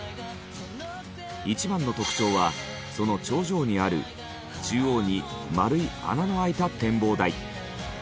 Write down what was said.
一番の特徴はその頂上にある中央に丸い穴の開いた展望台。